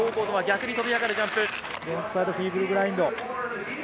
フロントサイドフィーブルグラインド。